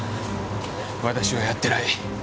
私はやってない。